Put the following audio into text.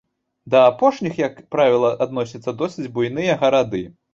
Да апошніх як правіла адносяцца досыць буйныя гарады.